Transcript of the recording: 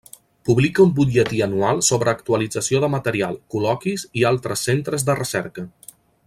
Publica un butlletí anual sobre actualització de material, col·loquis i altres centres de recerca.